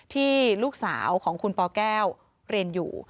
ที่ลูกสาวของคุณปแก้วเรียนอยู่